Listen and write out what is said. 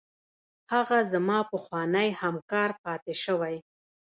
هغه زما پخوانی همکار پاتې شوی.